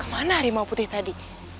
kemana harimau putih tadi